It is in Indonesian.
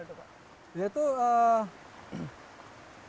itu perdana kita mulai menerima